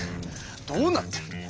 どうなってるんだ。